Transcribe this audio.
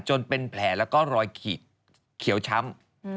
จนเป็นแผลแล้วก็รอยขีดเขียวช้ำ